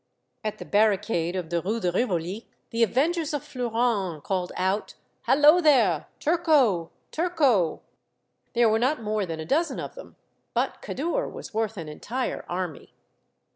At the barricade of the Rue de Rivoli the avengers of Flourens called out, " Hallo there ! turco, turco !" There were not more than a dozen of them, but Kadour was worth an entire army.